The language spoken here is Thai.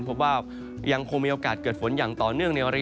พบว่ายังคงมีโอกาสเกิดฝนอย่างต่อเนื่องในระยะ